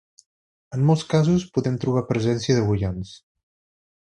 En molts casos podem trobar presència d'agullons.